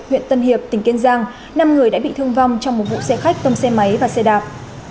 huyện tân hiệp tỉnh kiên giang năm người đã bị thương vong trong một vụ xe khách tông xe máy và xe đạp